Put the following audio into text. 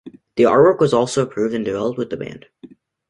The artwork was also approved and developed with the band.